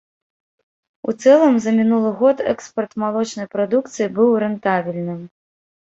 У цэлым за мінулы год экспарт малочнай прадукцыі быў рэнтабельным.